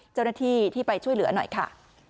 เจ้าหน้าที่ที่ไปช่วยเหลือหน่อยค่ะ